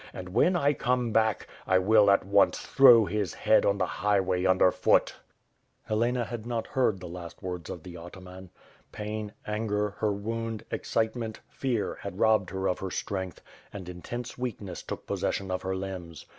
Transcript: And when I come back, I will at once throw his head on the highway under foot.^* Helena had not heard the last words of the ataman. Pain, anger, her wound, excitement, fear, had robbed her of her strength, and intense weakness took possession of her limbs.